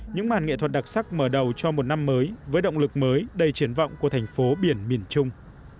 những màn nghệ thuật đặc sắc mở đầu cho một năm mới với động lực mới đầy triển vọng của thành phố biển miền trung